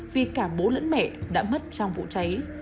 vì cả bố lẫn mẹ đã mất trong vụ cháy